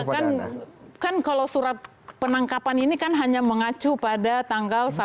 ya jadi gini kan kalau surat penangkapan ini kan hanya mengacu pada tanggal satu desember